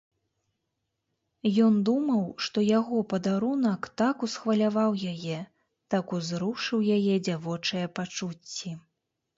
Ён думаў, што яго падарунак так усхваляваў яе, так узрушыў яе дзявочыя пачуцці.